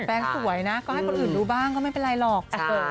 สวยนะก็ให้คนอื่นดูบ้างก็ไม่เป็นไรหรอก